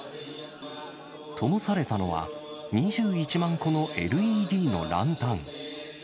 ともされたのは、２１万個のＬＥＤのランタン。